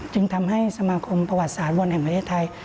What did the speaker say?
จึงทำให้สมาคมประวัติศาสตร์บอลแห่งประเทศไทย